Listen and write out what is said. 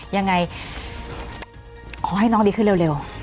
ยังไงขอให้น้องดีขึ้นเร็ว